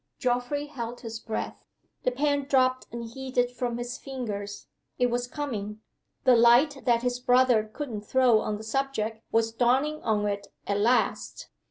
'" (Geoffrey held his breath. The pen dropped unheeded from his fingers. It was coming. The light that his brother couldn't throw on the subject was dawning on it at last!)